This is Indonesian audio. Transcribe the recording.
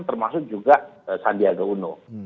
termasuk juga sandiaga uno